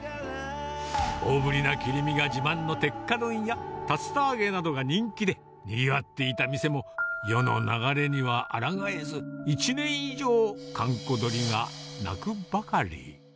大ぶりな切り身が自慢の鉄火丼や、竜田揚げなどが人気で、にぎわっていた店も、世の流れにはあらがえず、１年以上閑古鳥が鳴くばかり。